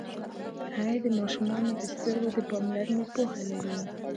هغې د ماشومانو د سترګو د پاملرنې پوهه لري.